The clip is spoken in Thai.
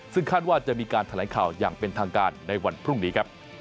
ซึ่งคาดว่าจะมีการแถลงข่าวอย่างเป็นทางการในวันพรุ่งนี้ครับ